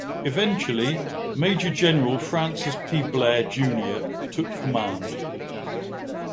Eventually Major General Francis P. Blair, Junior took command.